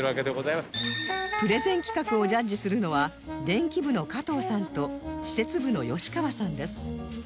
プレゼン企画をジャッジするのは電気部の加藤さんと施設部の吉川さんです